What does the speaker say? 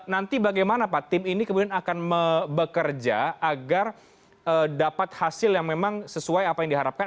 nanti bagaimana pak tim ini kemudian akan bekerja agar dapat hasil yang memang sesuai apa yang diharapkan